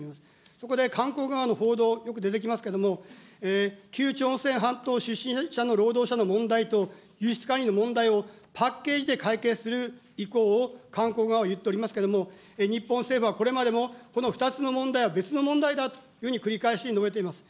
そこで韓国側の報道、よく出てきますけれども、旧朝鮮半島出身者の労働者の問題と、輸出管理の問題を、パッケージで解決する意向を韓国側は言っておりますけれども、日本政府はこれまでもこの２つの問題は別の問題だというふうに繰り返し述べています。